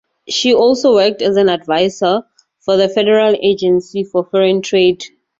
She also worked as an advisor for the Federal Agency for Foreign Trade.